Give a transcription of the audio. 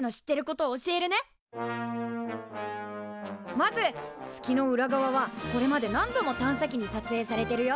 まず月の裏側はこれまで何度も探査機に撮影されてるよ。